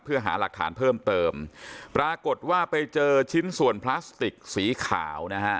เพื่อหาหลักฐานเพิ่มเติมปรากฏว่าไปเจอชิ้นส่วนพลาสติกสีขาวนะฮะ